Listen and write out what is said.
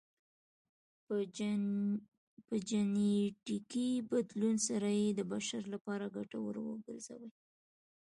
په جنیټیکي بدلون سره یې د بشر لپاره ګټور وګرځوي